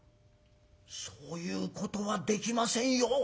「そういうことはできませんよ。